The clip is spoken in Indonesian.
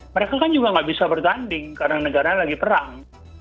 mereka kan juga nggak bisa bertanding karena negara lagi perang